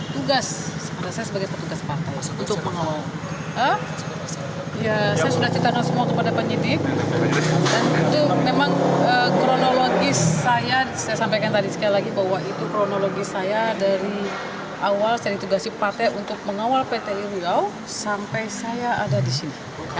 dan itu memang kronologi saya saya sampaikan tadi sekali lagi bahwa itu kronologi saya dari awal saya ditugasi partai untuk mengawal plt uriau sampai saya ada di sini